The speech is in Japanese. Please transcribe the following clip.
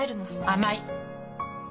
甘い！